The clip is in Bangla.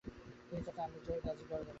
তিনি তার চাচা আমির যাহির গাজীর দরবারে থাকতেন।